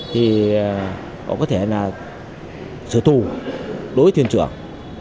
thì họ có thể là sửa tù đối với thuyền trưởng